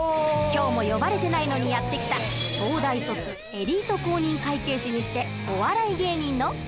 今日も呼ばれてないのにやって来た東大卒エリート公認会計士にしてお笑い芸人のわたび。